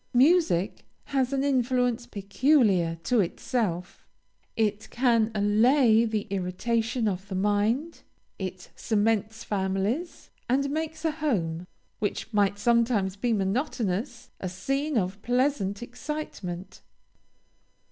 Music has an influence peculiar to itself. It can allay the irritation of the mind; it cements families, and makes a home, which might sometimes be monotonous, a scene of pleasant excitement.